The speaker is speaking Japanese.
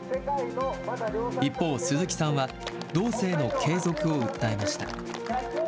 一方、鈴木さんは、道政の継続を訴えました。